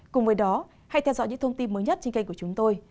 cùng với đó hãy theo dõi những thông tin mới nhất trên kênh của chúng tôi